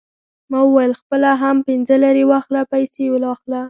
ما وویل: خپله هم پنځه لېرې واخله، پیسې واخله.